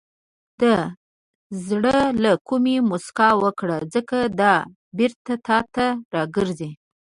• د زړه له کومې موسکا وکړه، ځکه دا بېرته تا ته راګرځي.